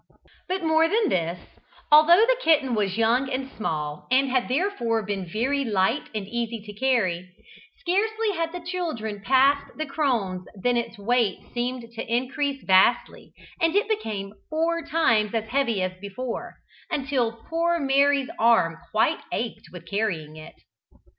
But more than this, although the kitten was young and small, and had therefore been very light and easy to carry, scarcely had the children passed the crones than its weight seemed to increase vastly, and it became four times as heavy as before, until poor Mary's arm quite ached with carrying it.